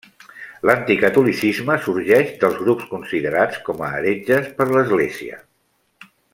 L'anticatolicisme sorgeix dels grups considerats com a heretges per l'Església.